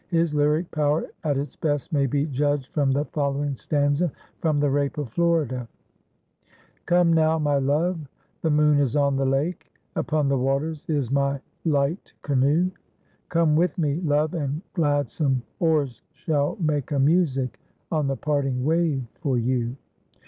His lyric power at its best may be judged from the following stanza from the "Rape of Florida": "'Come now, my love, the moon is on the lake; Upon the waters is my light canoe; Come with me, love, and gladsome oars shall make A music on the parting wave for you.